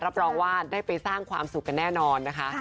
รับรองว่าได้ไปสร้างความสุขกันแน่นอนนะคะ